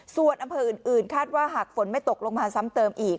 ส่วนอำเภออื่นคาดว่าหากฝนไม่ตกลงมาซ้ำเติมอีก